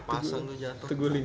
pasang udah jatuh